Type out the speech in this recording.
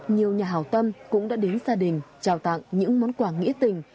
nhiều nhà hào tâm cũng đã đến gia đình trao tặng những món quà nghĩa tình